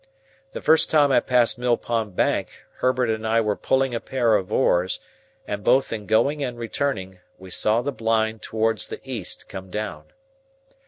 The first time I passed Mill Pond Bank, Herbert and I were pulling a pair of oars; and, both in going and returning, we saw the blind towards the east come down.